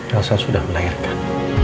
elsa sudah melahirkan